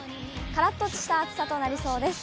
からっとした暑さとなりそうです。